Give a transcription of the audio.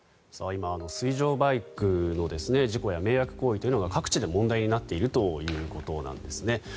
今、水上バイクの事故や迷惑行為というのが各地で問題になっているということなんですね。